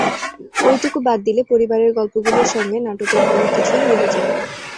ওইটুকু বাদ দিলে পরিবারের গল্পগুলোর সঙ্গে নাটকের অনেক কিছুই মিলে যায়।